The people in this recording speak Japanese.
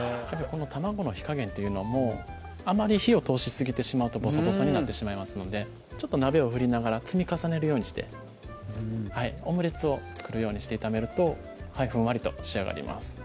この卵の火加減っていうのもあまり火を通しすぎてしまうとボソボソになってしまいますのでちょっと鍋を振りながら積み重ねるようにしてオムレツを作るようにして炒めるとふんわりと仕上がります